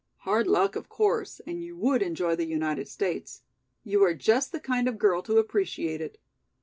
"Hard luck of course, and you would enjoy the United States! You are just the kind of girl to appreciate it.